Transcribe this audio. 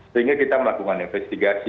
sehingga kita melakukan investigasi